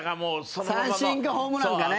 三振かホームランかね。